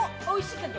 おいしい！